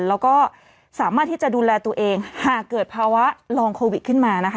แล้วก็สามารถที่จะดูแลตัวเองหากเกิดภาวะลองโควิดขึ้นมานะคะ